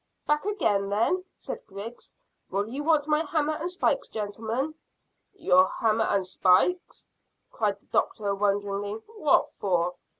"Back again, then?" said Griggs. "Will you want my hammer and spikes, gentlemen?" "Your hammer and spikes?" cried the doctor, wonderingly. "What for?"